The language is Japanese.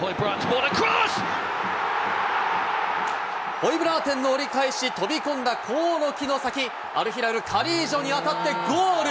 ホイブラーテンの折り返し、飛び込んだ興梠の先、アルヒラル、カリージョに当たってゴール。